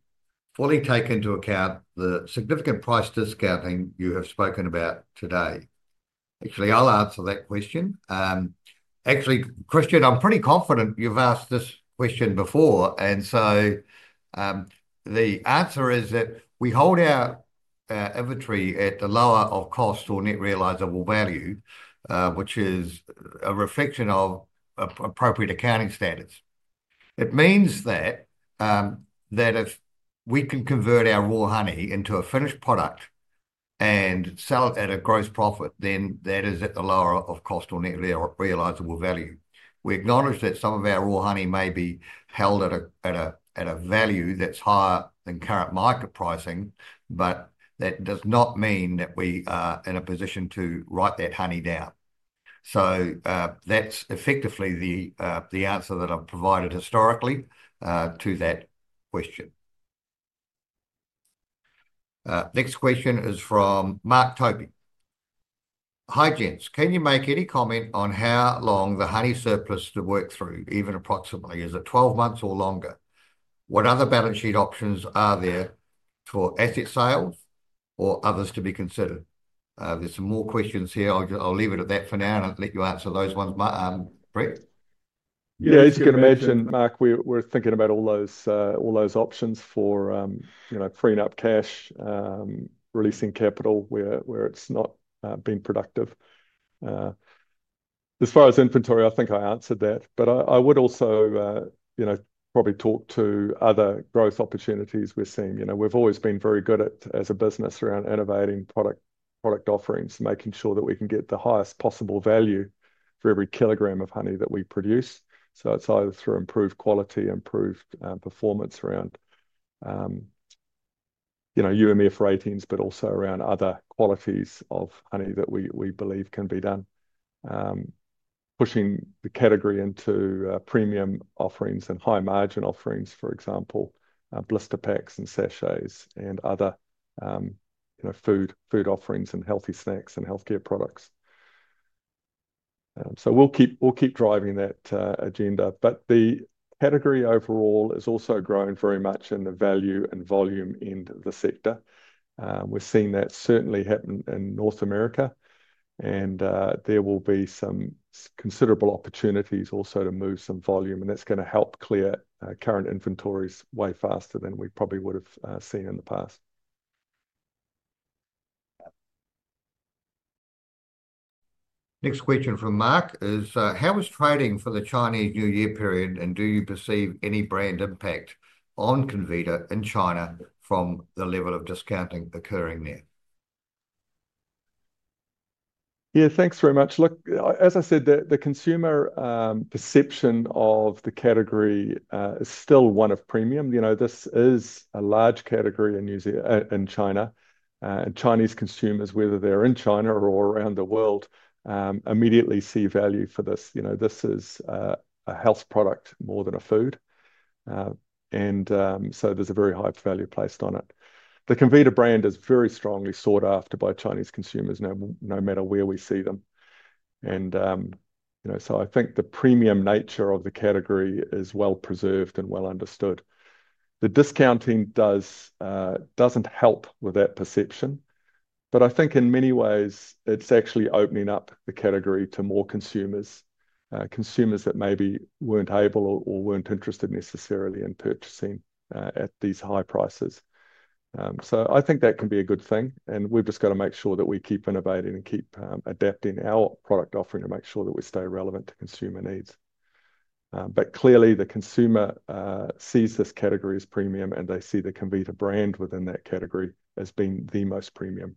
fully take into account the significant price discounting you have spoken about today? Actually, I'll answer that question. Actually, Christian, I'm pretty confident you've asked this question before. The answer is that we hold our inventory at the lower of cost or net realizable value, which is a reflection of appropriate accounting standards. It means that if we can convert our raw honey into a finished product and sell it at a gross profit, then that is at the lower of cost or net realizable value. We acknowledge that some of our raw honey may be held at a value that's higher than current market pricing, but that does not mean that we are in a position to write that honey down. That's effectively the answer that I've provided historically to that question. Next question is from Mark Toby. Hi, Gents. Can you make any comment on how long the honey surplus to work through, even approximately, is it 12 months or longer? What other balance sheet options are there for asset sales or others to be considered? There's some more questions here. I'll leave it at that for now and I'll let you answer those ones. My, Brett? Yeah, as you can imagine, Mark, we're thinking about all those options for, you know, freeing up cash, releasing capital where it's not being productive. As far as inventory, I think I answered that, but I would also, you know, probably talk to other growth opportunities we're seeing. You know, we've always been very good at, as a business, around innovating product, product offerings, making sure that we can get the highest possible value for every kilogram of honey that we produce. It is either through improved quality, improved performance around, you know, UMF ratings, but also around other qualities of honey that we believe can be done. pushing the category into premium offerings and high margin offerings, for example, blister packs and sachets and other, you know, food, food offerings and healthy snacks and healthcare products. we'll keep, we'll keep driving that agenda. The category overall is also growing very much in the value and volume in the sector. we're seeing that certainly happen in North America and there will be some considerable opportunities also to move some volume and that's gonna help clear current inventories way faster than we probably would've seen in the past. Next question from Mark is, how is trading for the Chinese New Year period and do you perceive any brand impact on Comvita in China from the level of discounting occurring there? Yeah, thanks very much. Look, as I said, the consumer perception of the category is still one of premium. You know, this is a large category in New Zealand, in China. Chinese consumers, whether they're in China or around the world, immediately see value for this. You know, this is a health product more than a food, and, so there's a very high value placed on it. The Comvita brand is very strongly sought after by Chinese consumers now, no matter where we see them. You know, I think the premium nature of the category is well preserved and well understood. The discounting does not help with that perception, but I think in many ways it's actually opening up the category to more consumers, consumers that maybe were not able or, or were not interested necessarily in purchasing at these high prices. I think that can be a good thing and we've just gotta make sure that we keep innovating and keep adapting our product offering to make sure that we stay relevant to consumer needs. Clearly the consumer sees this category as premium and they see the Comvita brand within that category as being the most premium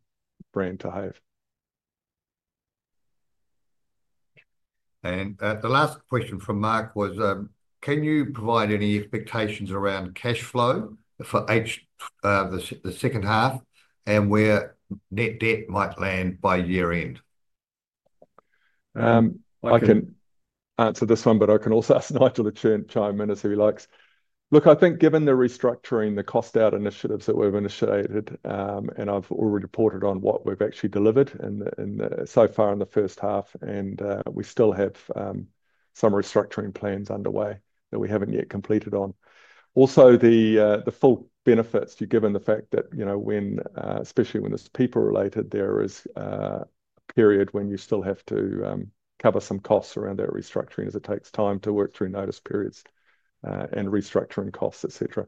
brand to have. The last question from Mark was, can you provide any expectations around cash flow for H, the second half and where net debt might land by year end? I can answer this one, but I can also ask Nigel the Chairman as he likes. Look, I think given the restructuring, the cost out initiatives that we've initiated, and I've already reported on what we've actually delivered in the, in the, so far in the first half and, we still have, some restructuring plans underway that we haven't yet completed on. Also, the, the full benefits you given the fact that, you know, when, especially when it's people related, there is, a period when you still have to, cover some costs around that restructuring as it takes time to work through notice periods, and restructuring costs, et cetera.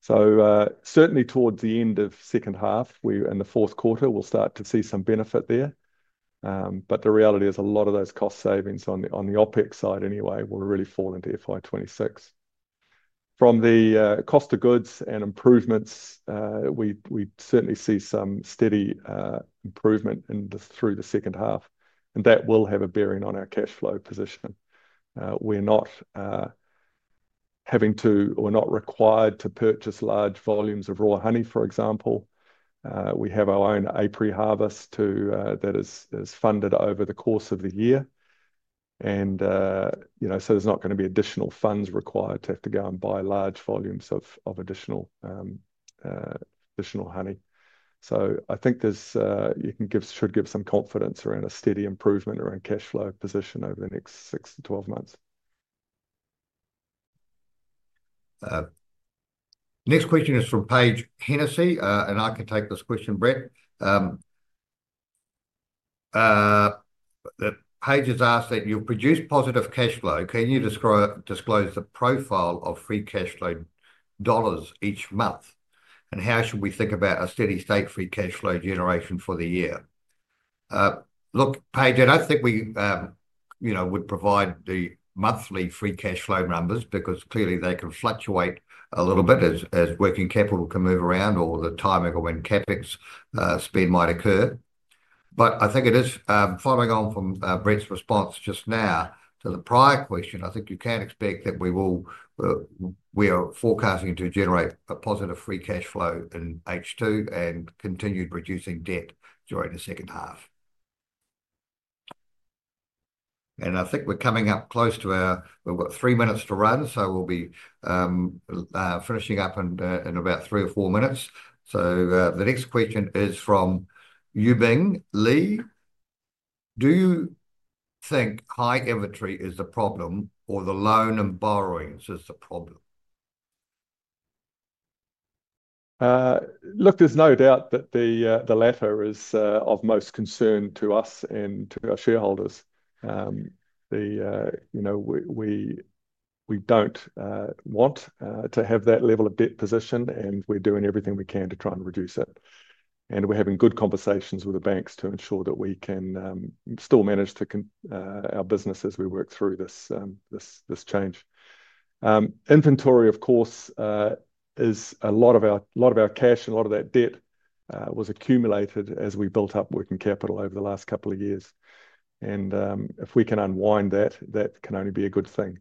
Certainly towards the end of second half, we in the fourth quarter, we'll start to see some benefit there. The reality is a lot of those cost savings on the, on the OpEx side anyway will really fall into FY 2026. From the cost of goods and improvements, we certainly see some steady improvement in the, through the second half and that will have a bearing on our cash flow position. We are not having to, we're not required to purchase large volumes of raw honey, for example. We have our own apiary harvest to, that is, is funded over the course of the year. And, you know, there's not gonna be additional funds required to have to go and buy large volumes of additional, additional honey. I think you can give, should give some confidence around a steady improvement around cash flow position over the next six to 12 months. Next question is from Paige Hennessey, and I can take this question, Brett. Paige has asked that you'll produce positive cash flow. Can you disclose, disclose the profile of free cash flow dollars each month and how should we think about a steady state free cash flow generation for the year? Look, Paige, I don't think we, you know, would provide the monthly free cash flow numbers because clearly they can fluctuate a little bit as working capital can move around or the timing or when CapEx spend might occur. I think it is, following on from Brett's response just now to the prior question, I think you can expect that we will, we are forecasting to generate a positive free cash flow in H2 and continued reducing debt during the second half. I think we're coming up close to our, we've got three minutes to run, so we'll be finishing up in about three or four minutes. The next question is from Yubing Lee. Do you think high inventory is the problem or the loan and borrowings is the problem? Look, there's no doubt that the latter is of most concern to us and to our shareholders. You know, we don't want to have that level of debt position and we are doing everything we can to try and reduce it. We are having good conversations with the banks to ensure that we can still manage to continue our business as we work through this change. Inventory, of course, is a lot of our cash and a lot of that debt was accumulated as we built up working capital over the last couple of years. If we can unwind that, that can only be a good thing.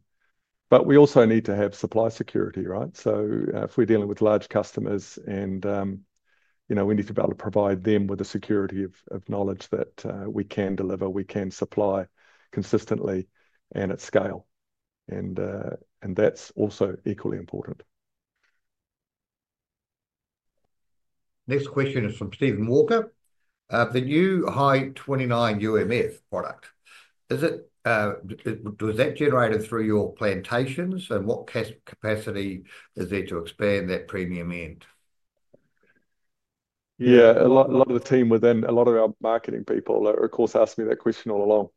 We also need to have supply security, right? If we're dealing with large customers and, you know, we need to be able to provide them with the security of knowledge that we can deliver, we can supply consistently and at scale. That is also equally important. Next question is from Steven Walker. The new high 29 UMF product, is it, was that generated through your plantations and what capacity is there to expand that premium end? Yeah, a lot of the team within, a lot of our marketing people are, of course, asked me that question all along.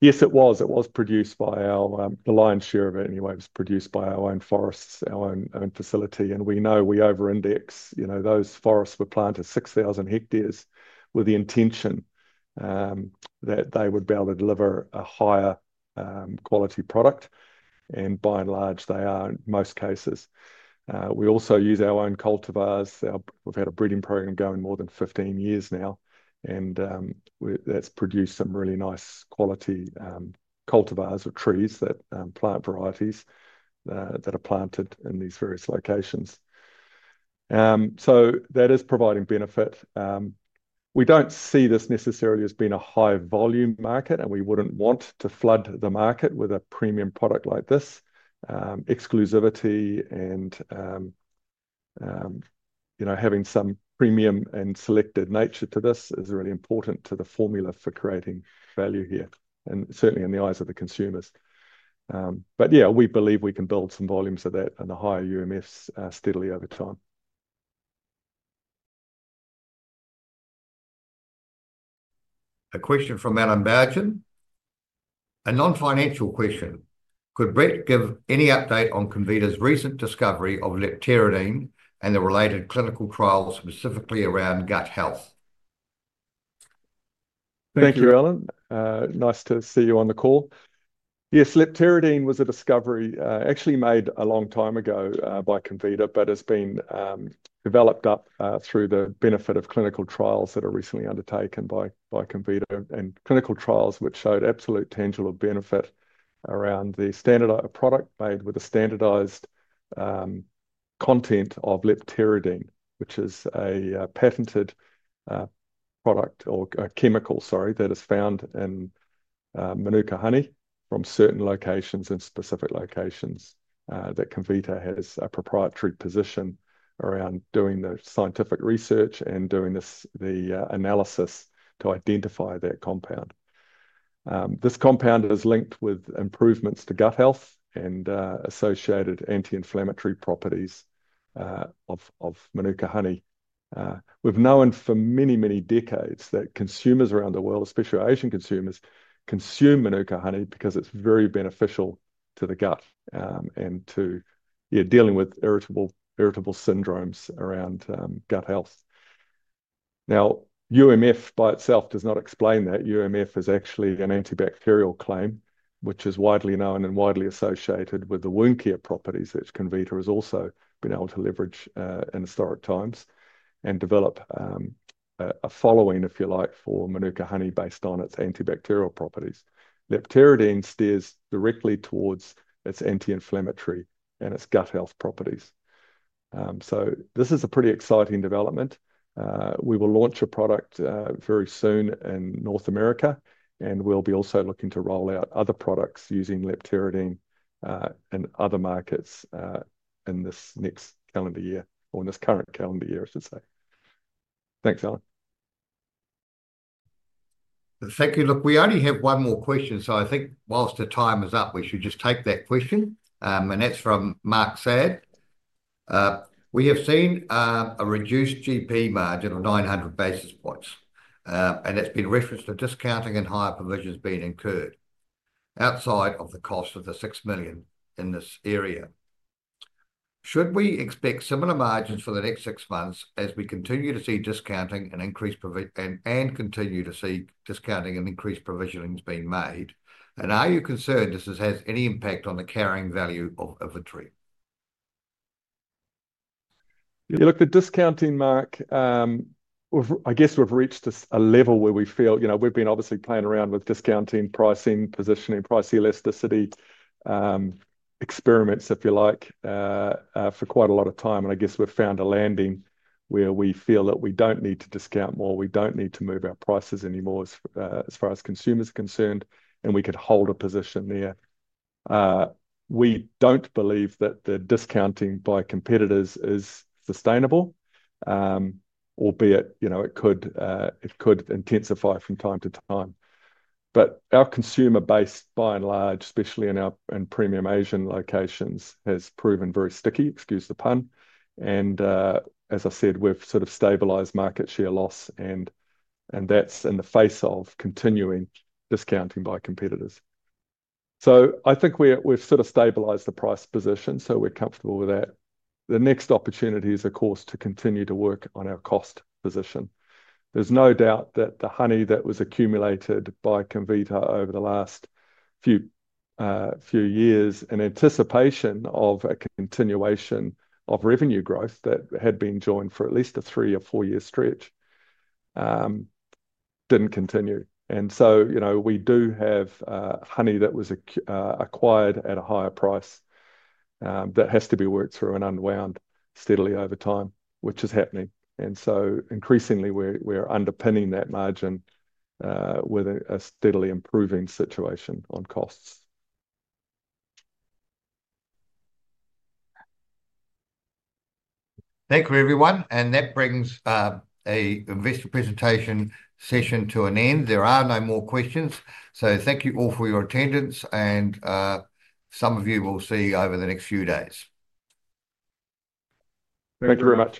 Yes, it was, it was produced by our, the lion's share of it anyway was produced by our own forests, our own facility. We know we over index, you know, those forests were planted 6,000 hectares with the intention that they would be able to deliver a higher quality product. By and large, they are in most cases. We also use our own cultivars. We've had a breeding program going more than 15 years now and that's produced some really nice quality cultivars or trees, plant varieties, that are planted in these various locations. That is providing benefit. We don't see this necessarily as being a high volume market and we wouldn't want to flood the market with a premium product like this. Exclusivity and, you know, having some premium and selected nature to this is really important to the formula for creating value here and certainly in the eyes of the consumers. But yeah, we believe we can build somevolumes of that and the higher UMFs, steadily over time. A question from Matt Barton. A non-financial question. Could Brett give any update on Comvita's recent discovery of Leptosperin and the related clinical trials specifically around gut health? Thank you, Alan. Nice to see you on the call. Yes, Leptosperin was a discovery, actually made a long time ago, by Comvita, but has been developed up through the benefit of clinical trials that are recently undertaken by Comvita and clinical trials which showed absolute tangible benefit around the standardized product made with a standardized content of Leptosperin, which is a patented product or a chemical, sorry, that is found in Mānuka honey from certain locations and specific locations, that Comvita has a proprietary position around doing the scientific research and doing this, the analysis to identify that compound. This compound is linked with improvements to gut health and associated anti-inflammatory properties of Mānuka honey. We've known for many, many decades that consumers around the world, especially our Asian consumers, consume Mānuka honey because it's very beneficial to the gut, and to, yeah, dealing with irritable, irritable syndromes around gut health. Now, UMF by itself does not explain that. UMF is actually an antibacterial claim, which is widely known and widely associated with the wound care properties that Comvita has also been able to leverage, in historic times and develop, a, a following, if you like, for Mānuka honey based on its antibacterial properties. Leptosperin steers directly towards its anti-inflammatory and its gut health properties. This is a pretty exciting development. We will launch a product very soon in North America and we'll be also looking to roll out other products using Leptosperin in other markets in this next calendar year or in this current calendar year, I should say. Thanks, Alan. Thank you. Look, we only have one more question. I think whilst the time is up, we should just take that question. That is from Mark Saad. We have seen a reduced GP margin of 900 basis points, and it has been referenced to discounting and higher provisions being incurred outside of the cost of the $6 million in this area. Should we expect similar margins for the next six months as we continue to see discounting and increased provision, and continue to see discounting and increased provisioning being made? Are you concerned thishas any impact on the carrying value of inventory? Yeah, look, the discounting, Mark, I guess we have reached a level where we feel, you know, we have been obviously playing around with discounting, pricing, positioning, price elasticity, experiments, if you like, for quite a lot of time. I guess we've found a landing where we feel that we don't need to discount more. We don't need to move our prices anymore as far as consumers are concerned, and we could hold a position there. We don't believe that the discounting by competitors is sustainable, albeit, you know, it could intensify from time to time. Our consumer base by and large, especially in our premium Asian locations, has proven very sticky, excuse the pun. As I said, we've sort of stabilized market share loss and that's in the face of continuing discounting by competitors. I think we've sort of stabilized the price position, so we're comfortable with that. The next opportunity is, of course, to continue to work on our cost position. There's no doubt that the honey that was accumulated by Comvita over the last few years in anticipation of a continuation of revenue growth that had been enjoyed for at least a three or four year stretch, didn't continue. You know, we do have honey that was acquired at a higher price, that has to be worked through and unwound steadily over time, which is happening. Increasingly, we're underpinning that margin with a steadily improving situation on costs. Thank you everyone. That brings an investor presentation session to an end. There are no more questions. Thank you all for your attendance and some of you we'll see over the next few days. Thank you very much.